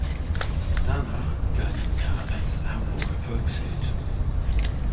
Danach galt er als Hamburger Volksheld.